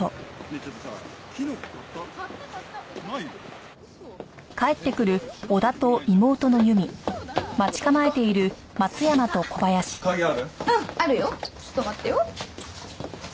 ちょっと待ってよ。